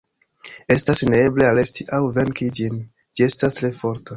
Estas neeble aresti aŭ venki ĝin, ĝi estas tre forta.